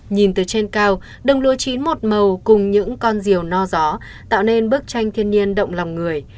nhìn từ trên cao đồng lúa chín một màu cùng những con rìu no gió tạo nên bức tranh thiên nhiên động lòng người